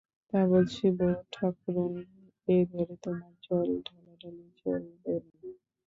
তা বলছি, বউঠাকরুন, এ ঘরে তোমার জল ঢালাঢালি চলবে না।